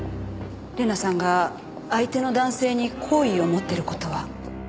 玲奈さんが相手の男性に好意を持ってる事は。